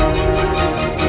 aku mau pergi